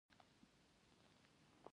په پښتونخوا کې مو ادبي ملګري پیدا کړل.